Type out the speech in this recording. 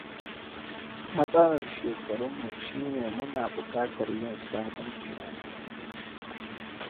Matsalar shekarunmu shine muna bukatar yin sabon tunani.